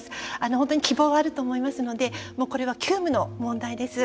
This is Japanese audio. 本当に希望はあると思いますのでこれは急務の問題です。